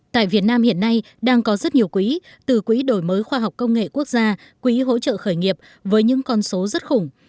tại việt nam hiện nay đang có rất nhiều quỹ từ quỹ đổi mới khoa học công nghệ quốc gia quỹ hỗ trợ khởi nghiệp với những con số rất khủng